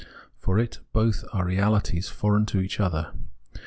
For it, both are reahties foreign to each other.